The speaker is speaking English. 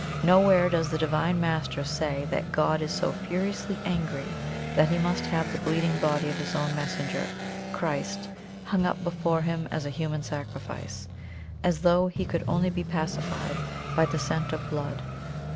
Nowhere does the Divine Master say that God is so furiously angry that he must have the bleeding body of his own messenger, Christ, hung up before Him as a human sacrifice, as though He could only be pacified by the scent of blood!